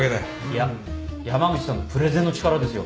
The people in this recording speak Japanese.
いや山口さんのプレゼンの力ですよ。